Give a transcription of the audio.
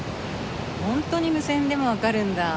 本当に無線でもわかるんだ。